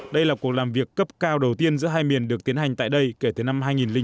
đây là cuộc làm việc cấp cao đầu tiên giữa hai miền được tiến hành tại đây kể từ năm hai nghìn chín